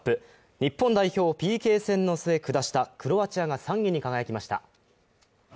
日本代表をＰＫ戦の末下したクロアチアが３位に輝きました。